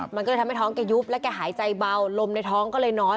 มันก็เลยทำให้ท้องแกยุบแล้วแกหายใจเบาลมในท้องก็เลยน้อย